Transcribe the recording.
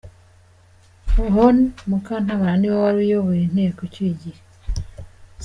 Hon Mukantabana niwe wari uyoboye Inteko icyuye igihe.